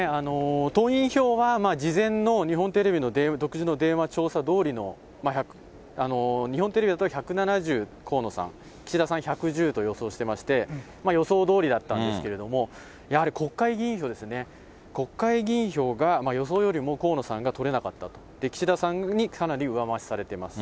党員票は事前の日本テレビの独自の電話調査どおりの、日本テレビだと１７０河野さん、岸田さん１１０と予想してまして、予想どおりだったんですけれども、やはり国会議員票ですね、国会議員票が予想よりも河野さんが取れなかったと、岸田さんにかなり上増しされてます。